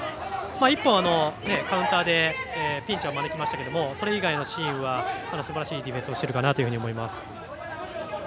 １本、カウンターでピンチは招きましたけどそれ以外のシーンはすばらしいディフェンスをしているかなと思います。